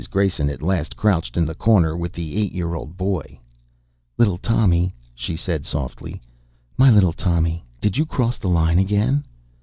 Grayson at last crouched in the corner with the eight year old boy. "Little Tommy," she said softly. "My little Tommy! Did you cross the line again?"